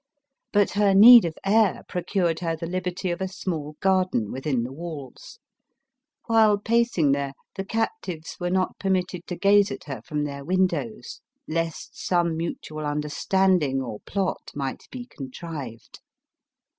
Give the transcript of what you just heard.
But her need of air procured her the liberty of a small garden within the walls ; while pacing there, the captives were not permitted to gaze at her from their windows, lest some mutual under standing or plot might be contrived.